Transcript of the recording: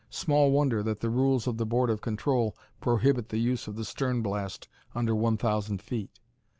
Small wonder that the rules of the Board of Control prohibit the use of the stern blast under one thousand feet.